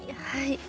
はい！